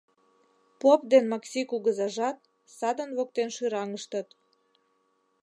Поп ден Максий кугызажат садын воктен шӱраҥыштыт...